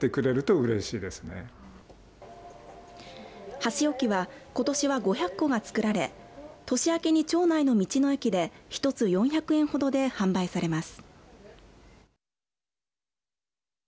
箸置きはことしは５００個がつくられ年明けに町内の道の駅で１つ４００円ほどで販売されます。